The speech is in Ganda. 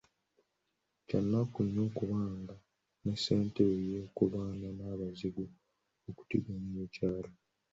Kya nnaku nnyo okuba nga ne ssentebe yeekobaana n’abazigu okutigomya ekyalo.